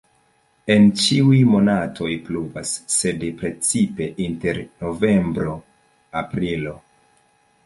En ĉiuj monatoj pluvas, sed precipe inter novembro-aprilo.